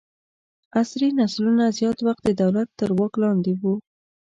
عصري نسلونه زیات وخت د دولت تر واک لاندې وو.